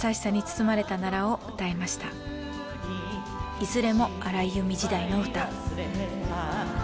いずれも荒井由実時代の歌。